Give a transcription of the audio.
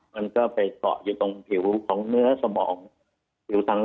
มันก็ไปเกาะอยู่ตรงผิวของเนื้อสมองผิวทาง